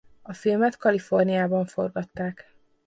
A filmet Kaliforniában forgatták.